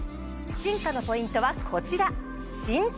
進化のポイントはこちら。